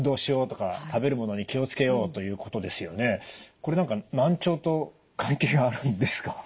これ何か難聴と関係があるんですか？